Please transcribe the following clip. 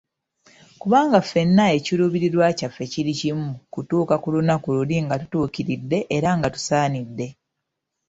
Kubanga ffenna ekiruubirirwa kyaffe kiri kimi, kutuuka ku lunaku luli nga tutuukiridde era nga tusaanidde.